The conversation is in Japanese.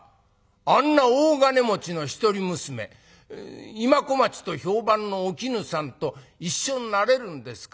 あんな大金持ちの一人娘今小町と評判のお絹さんと一緒になれるんですか？